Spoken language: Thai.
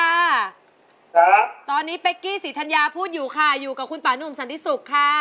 ครับตอนนี้เป๊กกี้ศรีธัญญาพูดอยู่ค่ะอยู่กับคุณป่านุ่มสันติสุขค่ะ